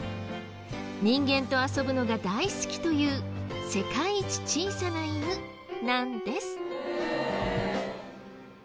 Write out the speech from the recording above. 人間と遊ぶのが大好きという世界一小さな犬なんです。